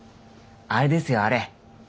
あれですよあれ。